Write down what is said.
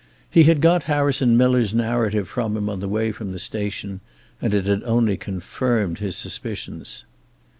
He had got Harrison Miller's narrative from him on the way from the station, and it had only confirmed his suspicions.